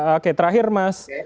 oke terakhir mas